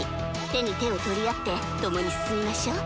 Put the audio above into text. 手に手を取り合って共に進みましょう！